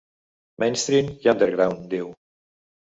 Mainstream i underground, diu.